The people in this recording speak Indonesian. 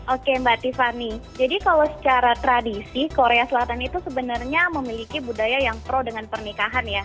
oke mbak tiffany jadi kalau secara tradisi korea selatan itu sebenarnya memiliki budaya yang pro dengan pernikahan ya